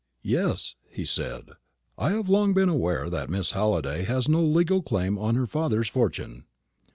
"Yes," he said, "I have long been aware that Miss Halliday has no legal claim on her father's fortune."